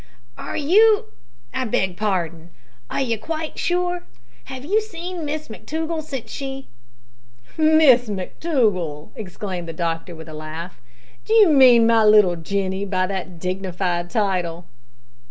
"Are you I beg pardon are you quite sure? Have you seen Miss McTougall since she " "Miss McTougall!" exclaimed the doctor, with a laugh. "D'you mean my little Jenny by that dignified title?"